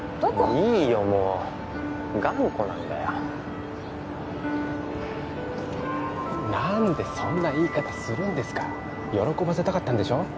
いいよもう頑固なんだよ何でそんな言い方するんですか喜ばせたかったんでしょう？